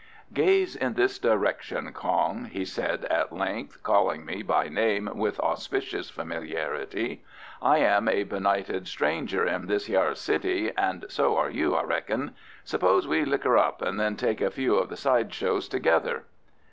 "Gaze in this direction, Kong," he said at length, calling me by name with auspicious familiarity; "I am a benighted stranger in this hyer city, and so are you, I rek'n. Suppose we liquor up, and then take a few of the side shows together."